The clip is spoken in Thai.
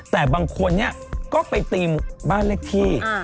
แต่บางคนเนี่ยก็ไปตีมบ้านเลขที่